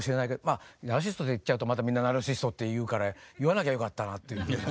まあナルシストって言っちゃうとまたみんなナルシストって言うから言わなきゃよかったなっていうふうに。